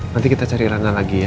nanti kita cari ranah lagi ya